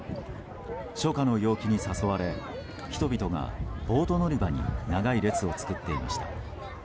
初夏の陽気に誘われ人々がボート乗り場に長い列を作っていました。